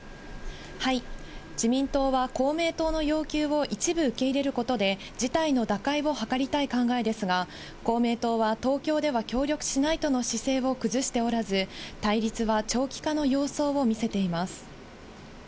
自民党は公明党の要求を一部受け入れることで、事態の打開を図りたい考えですが、公明党は東京では協力しないとの姿勢を崩しておらず、対立は長期化の様相を見せています。